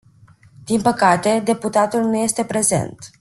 Din păcate, deputatul nu este prezent.